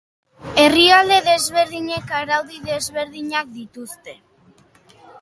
Herrialde desberdinek araudi desberdinak dituzte.